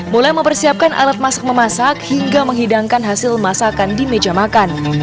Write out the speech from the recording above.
mulai mempersiapkan alat masak memasak hingga menghidangkan hasil masakan di meja makan